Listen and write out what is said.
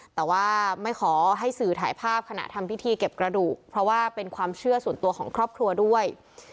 แต่ว่าไม่ขอให้สื่อถ่ายภาพขณะทำพิธีเก็บกระดูกเพราะว่าเป็นความเชื่อส่วนตัวของครอบครัวด้วย